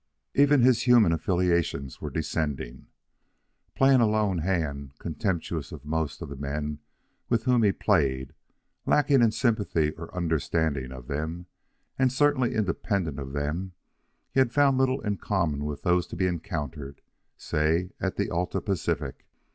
Even his human affiliations were descending. Playing a lone hand, contemptuous of most of the men with whom he played, lacking in sympathy or understanding of them, and certainly independent of them, he found little in common with those to be encountered, say at the Alta Pacific.